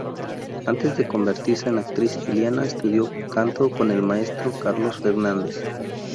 Antes de convertirse en actriz, Iliana estudió canto con el maestro Carlos Fernández.